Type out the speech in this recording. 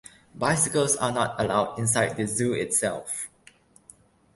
Bicycles are not allowed inside the zoo itself.